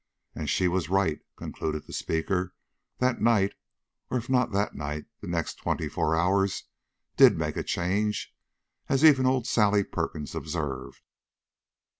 And she was right," concluded the speaker. "The night, or if not the night, the next twenty four hours, did make a change, as even old Sally Perkins observed.